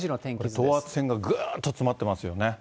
これ、等圧線がぐーっと詰まってますよね。